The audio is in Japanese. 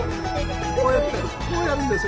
こうやってこうやるんですよ。